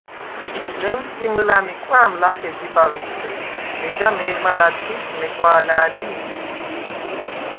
ლემსგი მჷლა̈მ ი კვა̈მ ლახე ჟიბავ ესღრიხ, ეჯა მე̄რმა ლა̈დღიშდ მეგვა̄ლა̄̈ლ ლი.